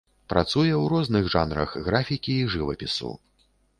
Працуе ў розных жанрах графікі і жывапісу.